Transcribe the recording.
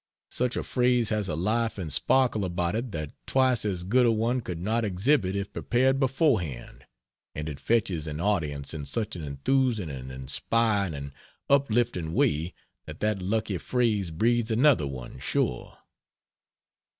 Such a phrase has a life and sparkle about it that twice as good a one could not exhibit if prepared beforehand, and it "fetches" an audience in such an enthusing and inspiring and uplifting way that that lucky phrase breeds another one, sure.